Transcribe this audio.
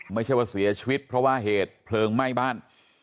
ไม่ใช่ว่าเสียชีวิตเพราะว่าเหตุเพลิงไหม้บ้าน